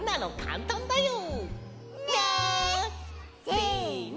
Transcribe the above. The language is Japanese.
せの！